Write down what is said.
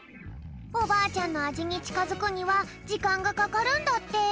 おばあちゃんのあじにちかづくにはじかんがかかるんだって！